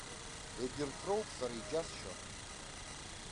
Егьырҭ роуп сара иџьасшьо.